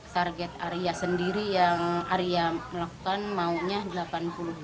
target arya sendiri yang arya melakukan maunya delapan puluh